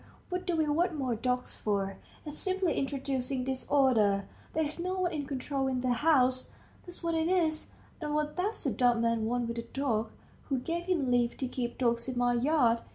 what do we want more dogs for? It's simply introducing disorder. There's no one in control in the house that's what it is. And what does the dumb man want with a dog? Who gave him leave to keep dogs in my yard?